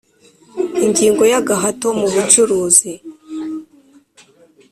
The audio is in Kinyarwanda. Ingingo ya Agahato mu bucuruzi